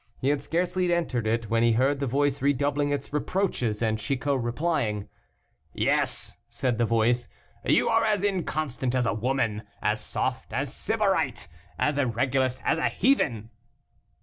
He had scarcely entered it, when he heard the voice redoubling its reproaches, and Chicot replying. "Yes," said the voice, "you are as inconstant as a woman, as soft as a Sybarite, as irreligious as a heathen."